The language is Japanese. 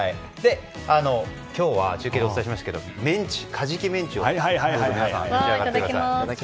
今日は中継でお伝えしましたがカジキメンチを皆さん、お召し上がりください。